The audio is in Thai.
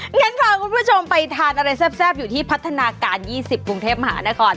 งั้นพาคุณผู้ชมไปทานอะไรแซ่บอยู่ที่พัฒนาการ๒๐กรุงเทพมหานคร